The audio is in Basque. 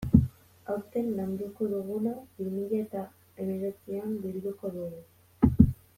Aurten landuko duguna bi mila eta hemeretzian bilduko dugu.